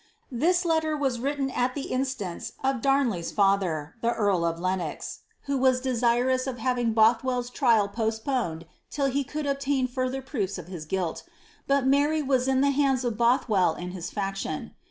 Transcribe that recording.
"' This letter was written at the instance of Darnley's &iher. the earl of Lenox, who was desirous of having Bothwoirs trial postponed till he could obtain further proofs of his guilt, but Mary was 10 the hands of Bothwell and his faction.